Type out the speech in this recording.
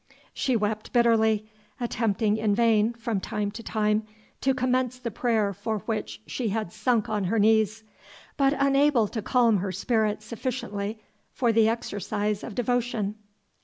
She wept bitterly; attempting in vain, from time to time, to commence the prayer for which she had sunk on her knees, but unable to calm her spirits sufficiently for the exercise of devotion.